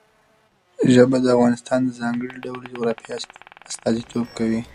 ژبې د افغانستان د ځانګړي ډول جغرافیه استازیتوب کوي.